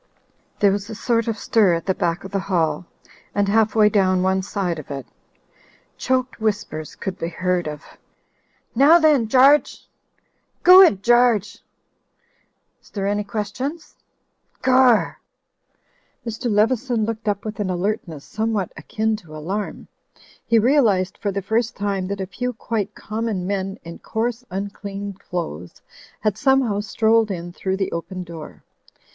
There was a sort of stir at the back of the hall and half way down one side of it. Choked whispers could be heard of "Now then, Garge!" — "Go it Gargc ! Is there any questions ! Gor !" 86 u,yu.«u by Google vox POPULI VOX DEI 87 Mr. Leveson looked up with an alertness somewhat akin to alarm. He realised for the first time that a few quite common men in coarse, imclean clothes, had somehow strolled in through the open door.